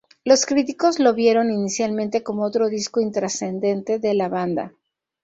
Los críticos lo vieron inicialmente como otro disco intrascendente de la banda.